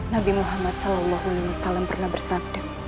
nabi muhammad sallallahu alaihi wasallam pernah bersabda